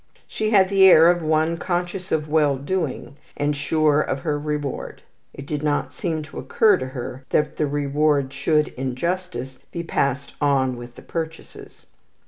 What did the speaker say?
She had the air of one conscious of well doing, and sure of her reward. It did not seem to occur to her that the reward should, in justice, be passed on with the purchases.